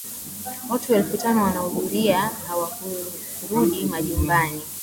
watu elfu tano wakahudhuria hawakurudi majumbani